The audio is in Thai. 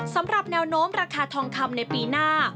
สำหรับแนวโน้มราคาทองคำในปีหน้า